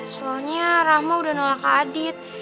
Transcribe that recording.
soalnya rama udah nolak ke adit